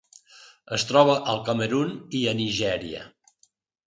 Es troba al Camerun i a Nigèria.